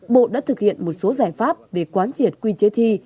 bộ đã thực hiện một số giải pháp về quán triệt quy chế thi